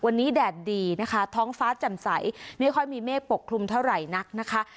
วันนี้แดดดีนะคะท้องฟ้าจำใสไม่ค่อยมีเมฆปกคลุมเท่าไหร่นักนะคะ